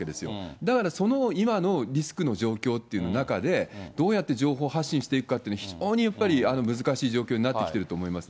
だからその今のリスクの状況という中で、どうやって情報発信していくかというのは、非常にやっぱり難しい状況になってきていると思いますね。